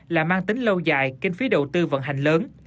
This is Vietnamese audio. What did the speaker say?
là mang tính lâu dài kinh phí đầu tư vận hành lớn